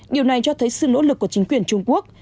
điều này cho thấy sự nỗ lực của chính quyền trung quốc